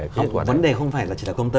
không vấn đề không phải là chỉ là công tơ